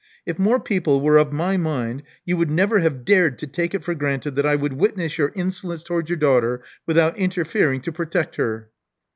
If more people were of my mind, you would never have dared to take it for granted that I would witness your insolence to wards your daughter without interfering to protect her.